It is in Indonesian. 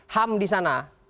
ham di sana